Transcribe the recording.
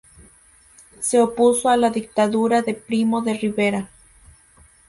Se opuso a la dictadura de Primo de Rivera.